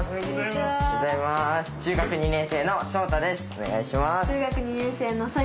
お願いします。